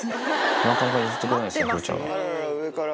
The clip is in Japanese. なかなか譲ってくれないですね、風ちゃんが。